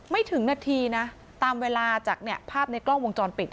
ไม่ถึงนาทีนะตามเวลาจากภาพในกล้องวงจรปิด